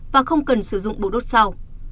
và không cần sử dụng bộ đốt sau